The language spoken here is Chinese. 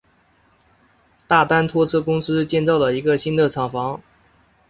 大丹拖车公司建造了一个新的厂房。